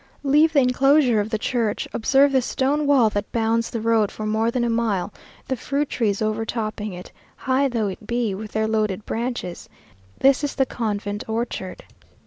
Leave the enclosure of the church, observe the stone wall that bounds the road for more than a mile; the fruit trees overtopping it, high though it be, with their loaded branches. This is the convent orchard.